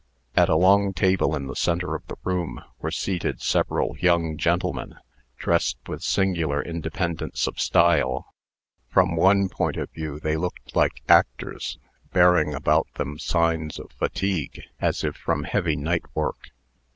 At a long table in the centre of the room were seated several young gentlemen, dressed with singular independence of style. From one point of view they looked like actors, bearing about them signs of fatigue, as if from heavy night work.